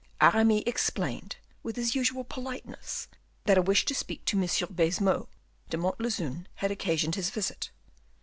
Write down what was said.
Aramis explained, with his usual politeness, that a wish to speak to M. Baisemeaux de Montlezun had occasioned his visit.